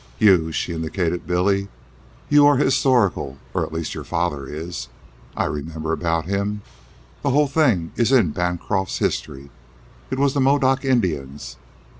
You " she indicated Billy, "you are historical, or at least your father is. I remember about him. The whole thing is in Bancroft's History. It was the Modoc Indians.